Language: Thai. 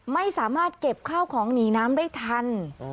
ไม่สามารถเก็บข้าวของหนีน้ำได้ทัน